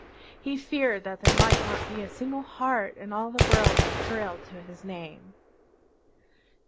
He feared that there might not be a single heart in all the world that thrilled to his name.